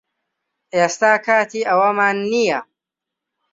ئێستا کاتی ئەوەمان نییە